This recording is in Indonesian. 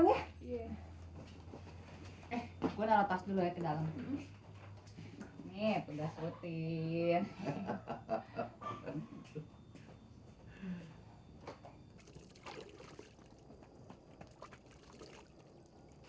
ya gue lalu pas dulu ya ke dalam ini